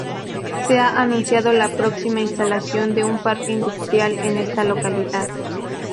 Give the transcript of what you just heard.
Se ha anunciado la próxima instalación de un parque industrial en esta localidad.